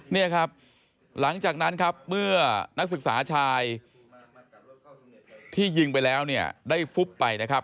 เนี่ยครับหลังจากนั้นครับเมื่อนักศึกษาชายที่ยิงไปแล้วเนี่ยได้ฟุบไปนะครับ